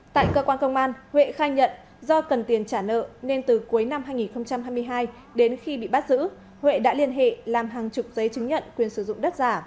tại cơ quan công an huệ khai nhận do cần tiền trả nợ nên từ cuối năm hai nghìn hai mươi hai đến khi bị bắt giữ huệ đã liên hệ làm hàng chục giấy chứng nhận quyền sử dụng đất giả